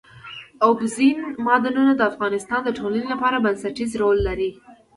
اوبزین معدنونه د افغانستان د ټولنې لپاره بنسټيز رول لري.